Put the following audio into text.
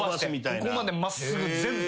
ここまで真っすぐ全部。